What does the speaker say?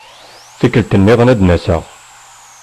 Tikkelt-nniḍen ad n-aseɣ.